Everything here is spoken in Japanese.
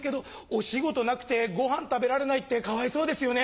お仕事なくてごはん食べられないってかわいそうですよね。